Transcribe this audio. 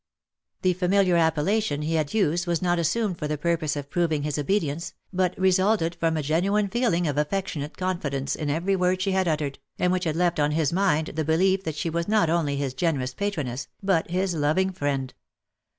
The familiar ap pellation he had used was not assumed for the purpose of proving his obedience, but resulted from a genuine feeling of affectionate con fidence in every word she had uttered, and which had left on his mind the belief that she was not only his generous patroness, but his loving friend.